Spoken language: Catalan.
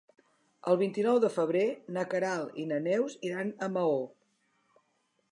El vint-i-nou de febrer na Queralt i na Neus iran a Maó.